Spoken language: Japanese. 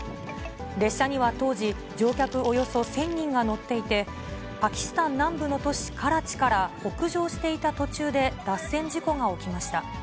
列車には当時、乗客およそ１０００人が乗っていて、パキスタン南部の都市カラチから北上していた途中で、脱線事故が起きました。